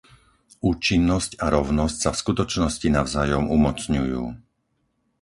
Účinnosť a rovnosť sa v skutočnosti navzájom umocňujú.